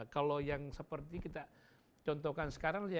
kalau yang seperti kita contohkan sekarang